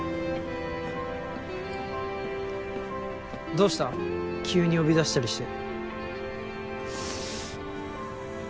どうした急に呼び出したりして。